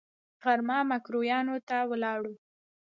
غرمه ميکرويانو ته ولاړو.